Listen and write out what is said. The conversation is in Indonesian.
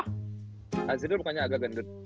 hansidul mukanya agak gendut